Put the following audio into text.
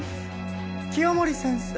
清守先生。